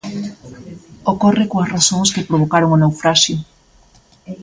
Ocorre coas razóns que provocaron o naufraxio.